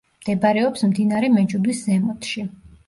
მდებარეობს მდინარე მეჯუდის ზემოთში.